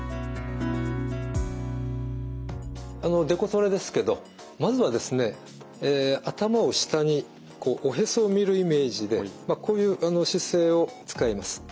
デコトレですけどまずはですね頭を下にこうおへそを見るイメージでこういう姿勢を使います。